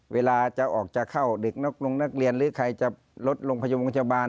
เวลาจะออกจะเข้าเด็กลงนักเรียนหรือใครจะลดลงพยมโรงพยาบาล